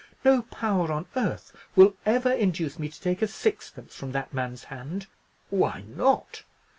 No power on earth will ever induce me to take a sixpence from that man's hand." "Why not?"